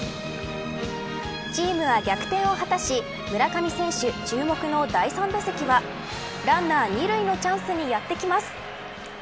チームは逆転を果たし村上選手、注目の第３打席はランナー２塁のチャンスにやってきます。